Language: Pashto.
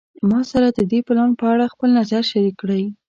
ما سره د دې پلان په اړه خپل نظر شریک کړی